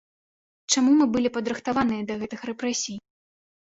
Чаму мы былі падрыхтаваныя да гэтых рэпрэсій?